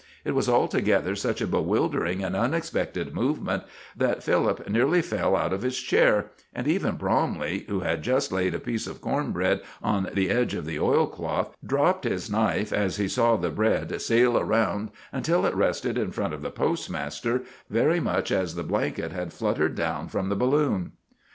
It was altogether such a bewildering and unexpected movement that Philip nearly fell out of his chair, and even Bromley, who had just laid a piece of corn bread on the edge of the oilcloth, dropped his knife as he saw the bread sail around until it rested in front of the postmaster, very much as the blanket had fluttered down from the balloon.